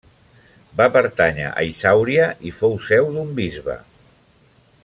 Va pertànyer a Isàuria i fou seu d'un bisbe.